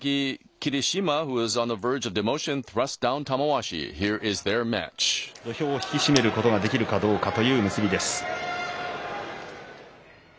霧島が土俵を引き締めることができるかという結びです。